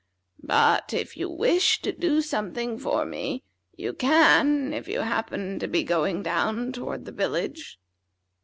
But if you wish to do something for me, you can, if you happen to be going down toward the village."